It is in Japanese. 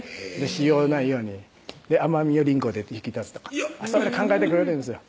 塩ないように甘みをりんごで引き立つとか考えてくれてるんですよ